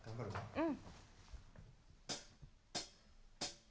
うん。